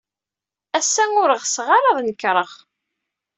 Ass-a, ur ɣseɣ ara ad nekreɣ.